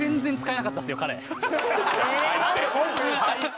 最低！